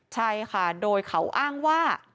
ใช่ค่ะโดยเขาอ้างว่า